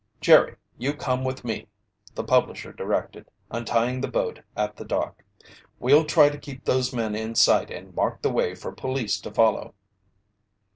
"Jerry, you come with me," the publisher directed, untying the boat at the dock. "We'll try to keep those men in sight and mark the way for police to follow."